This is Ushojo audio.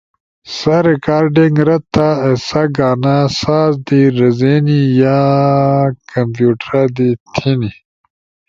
سا ریکارڈنگ رد تھا ایسا گانا ساز دی رزینی یا کمپیوٹرا دی تھے نی۔